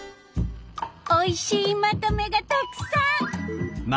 おいしいまとめがたくさん！